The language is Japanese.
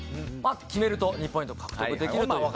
決めると２ポイント獲得できるという。